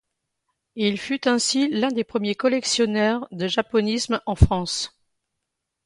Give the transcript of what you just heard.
Il fut ainsi l’un des premiers collectionneurs de japonisme en France.